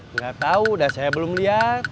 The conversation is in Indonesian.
enggak tahu udah saya belum lihat